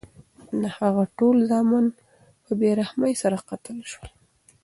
د هغه ټول زامن په بې رحمۍ سره قتل شول.